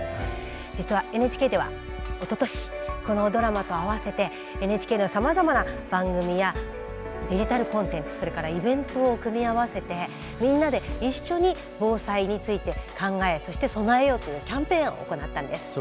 実はＮＨＫではおととしこのドラマと合わせてＮＨＫのさまざまな番組やデジタルコンテンツそれからイベントを組み合わせてみんなで一緒に防災について考えそして備えようというキャンペーンを行ったんです。